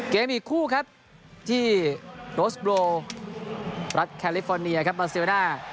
อีกคู่ครับที่โรสโบรัฐแคลิฟอร์เนียครับบาเซเวน่า